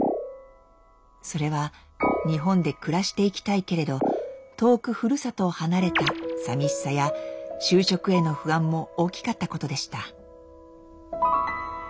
それは日本で暮らしていきたいけれど遠くふるさとを離れたさみしさや就職への不安も大きかったことでした。